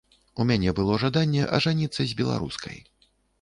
У мяне было жаданне ажаніцца з беларускай.